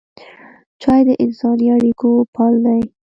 چای د انساني اړیکو پل دی.